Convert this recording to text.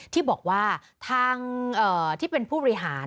ที่บอกว่าทางที่เป็นผู้บริหาร